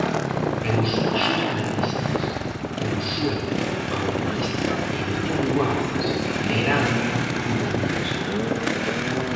E os xornalistas Consuelo Bautista e Antón Luaces lerán o manifesto.